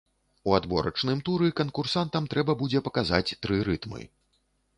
У адборачным туры канкурсантам трэба будзе паказаць тры рытмы.